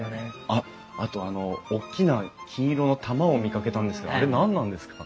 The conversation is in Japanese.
あっあとあのおっきな金色の玉を見かけたんですがあれ何なんですか？